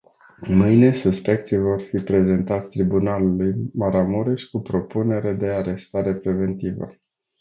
Mâine suspecții vor fi prezentați tribunalului Maramureș cu propunere de arestare preventivă.